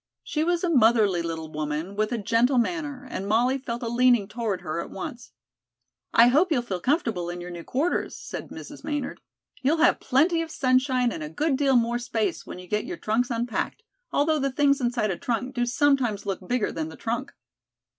She was a motherly little woman, with a gentle manner, and Molly felt a leaning toward her at once. "I hope you'll feel comfortable in your new quarters," said Mrs. Maynard. "You'll have plenty of sunshine and a good deal more space when you get your trunks unpacked, although the things inside a trunk do sometimes look bigger than the trunk."